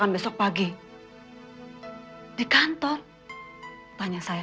dan ketemu dengan saya